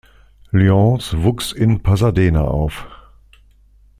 Lyons wuchs in Pasadena auf.